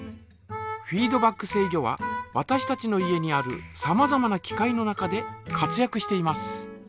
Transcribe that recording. フィードバック制御はわたしたちの家にあるさまざまな機械の中で活やくしています。